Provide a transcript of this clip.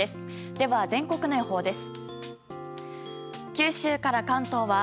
では、全国の予報です。